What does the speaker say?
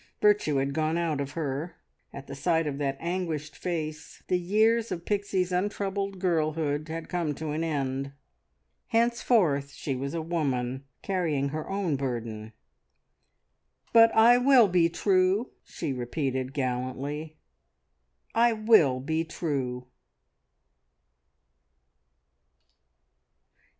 Virtue had gone out of her. At the sight of that anguished face, the years of Pixie's untroubled girlhood had come to an end. Henceforth she was a woman, carrying her own burden. "But I will be true," she repeated gallantly; "I will be true!"